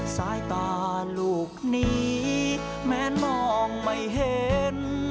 สายตาลูกนี้แม้นมองไม่เห็น